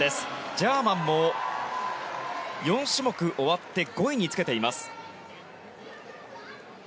ジャーマンも４種目終わって５位につけています。